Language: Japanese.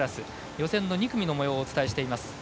予選の２組のもようをお伝えしています。